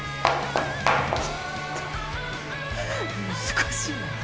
難しいな。